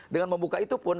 dengan membuka itu pun